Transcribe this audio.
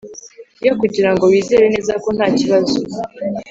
yo kugirango wizere neza ko nta kibazo